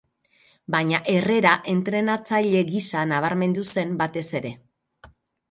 Baina Herrera entrenatzaile gisa nabarmendu zen batez ere.